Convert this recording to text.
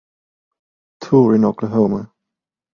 Tour in Oklahoma.